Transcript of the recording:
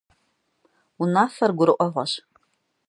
Унафэр гурыӀуэгъуэщ.